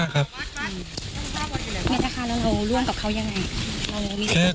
ไม่ได้ฆ่าแล้วเราร่วมกับเขายังไง